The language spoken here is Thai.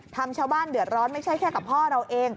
ชาวบ้านเดือดร้อนไม่ใช่แค่กับพ่อเราเอง